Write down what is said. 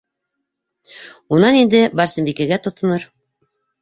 Унан инде Барсынбикәгә тотонор.